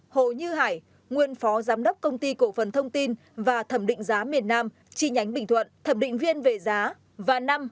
bốn hồ như hải nguyên phó giám đốc công ty cổ phần thông tin và thẩm định giá miền nam chi nhánh bình thuận thẩm định viên về giá và năm